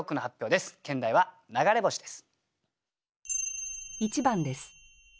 兼題は「流れ星」です。